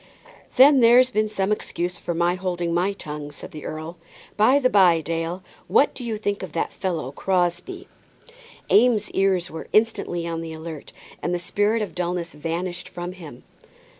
"Then there's been some excuse for my holding my tongue," said the earl. "By the by, Dale, what do you think of that fellow Crosbie?" Eames' ears were instantly on the alert, and the spirit of dullness vanished from him.